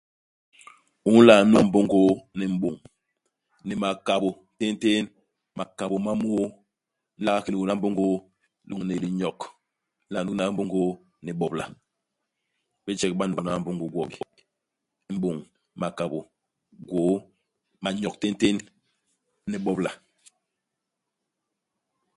U nla nugna mbôngôô ni m'boñ, ni makabô, téntén, makabô ma môô. U nla nga ki nugna mbôngôô lôñni linyok. U nla nugna mbôngôô ni bobola. Ibijek ba nugna mbôngôô, gwo bi. M'bôñ, makabô, gwôô, manyok, téntén, ni bobola.